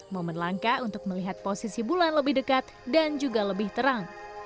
momen langka untuk melihat posisi bulan lebih dekat dan juga lebih terang